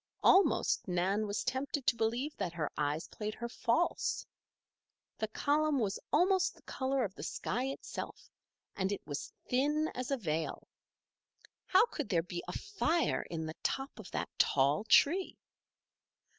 Almost Nan was tempted to believe that her eyes played her false. The column was almost the color of the sky itself, and it was thin as a veil. How could there be a fire in the top of that tall tree?